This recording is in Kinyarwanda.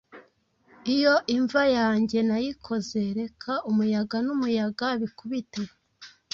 Iyo imva yanjye nayikoze Reka umuyaga n'umuyaga bikubite